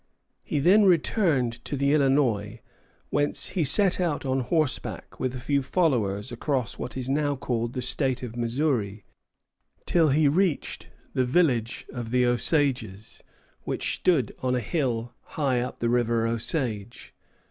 He then returned to the Illinois, whence he set out on horseback with a few followers across what is now the State of Missouri, till he reached the village of the Osages, which stood on a hill high up the river Osage.